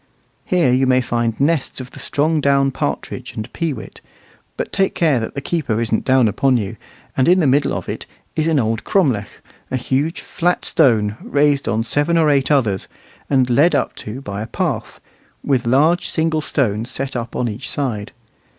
Here you may find nests of the strong down partridge and peewit, but take care that the keeper isn't down upon you; and in the middle of it is an old cromlech, a huge flat stone raised on seven or eight others, and led up to by a path, with large single stones set up on each side.